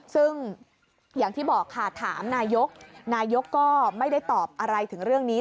ซึ่งอย่างที่บอกค่ะถามนายกนายกก็ไม่ได้ตอบอะไรถึงเรื่องนี้